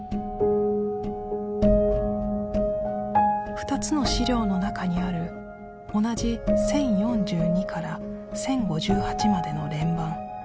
２つの資料の中にある同じ１０４２から１０５８までの連番